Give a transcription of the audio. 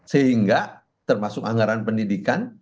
sehingga termasuk anggaran pendidikan